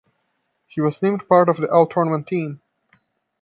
He was named part of the All-tournament team.